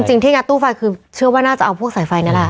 ที่งัดตู้ไฟคือเชื่อว่าน่าจะเอาพวกสายไฟนั่นแหละ